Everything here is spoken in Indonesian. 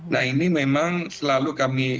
nah ini memang selalu kami